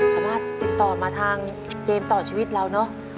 สามารถติดต่อมาทางเกมต่อชีวิตเราเนอะ